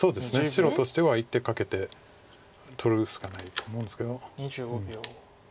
白としては一手かけて取るしかないと思うんですけど。